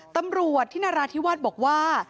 ตำรวจที่นราธิวาสบอกว่า